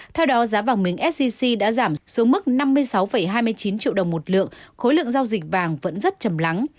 theo đó giá vàng miếng sgc đã giảm xuống mức năm mươi sáu hai mươi chín triệu đồng một lượng khối lượng giao dịch vàng vẫn rất chầm lắng